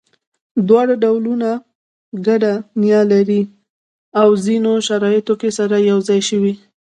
دواړه ډولونه ګډه نیا لري او ځینو شرایطو کې سره یو ځای شوي.